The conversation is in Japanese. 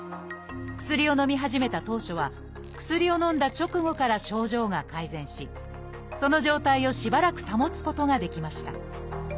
薬をのみ始めた当初は薬をのんだ直後から症状が改善しその状態をしばらく保つことができました。